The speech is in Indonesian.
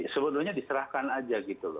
sebenarnya diserahkan saja